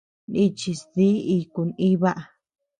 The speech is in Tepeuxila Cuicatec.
Nichis dí iku nʼiba.